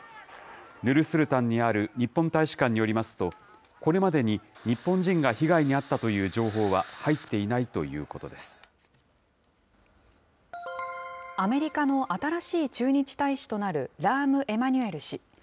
ヌルスルタンにある日本大使館によりますと、これまでに日本人が被害に遭ったという情報は入ってアメリカの新しい駐日大使となる、ラーム・エマニュエル氏。